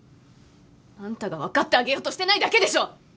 あんたが分かってあげようとしてないだけでしょ！